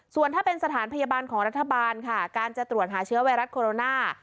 ส่วนถ้าเป็นสถานพยาบาลของรัฐบาลค่ะการจะตรวจหาเชื้อไวรัสโคโรนา